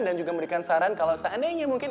dan juga memberikan saran kalau seandainya mungkin